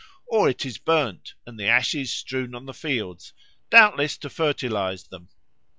Or it is burned and the ashes strew on the fields, doubtless to fertilise them.